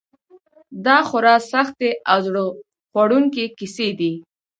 دا خورا سختې او زړه خوړونکې کیسې دي.